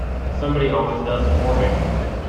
Somebody always does it for me.